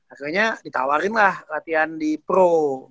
akhirnya ditawarin lah latihan di pro